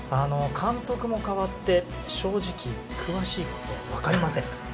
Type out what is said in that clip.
監督も代わって、正直詳しいことは分かりません。